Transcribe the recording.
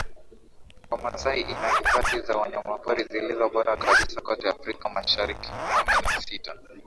Wamasai ina Hifadhi za Wanyamapori zilizo bora kabisa kote Afrika Masharikikumi na sita